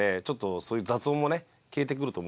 そういう雑音もね消えてくると思うから。